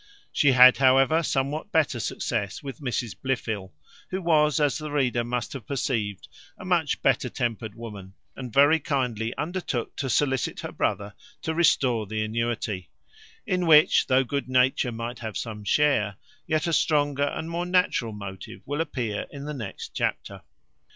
She had, however, somewhat better success with Mrs Blifil, who was, as the reader must have perceived, a much better tempered woman, and very kindly undertook to solicit her brother to restore the annuity; in which, though good nature might have some share, yet a stronger and more natural motive will appear in the next chapter.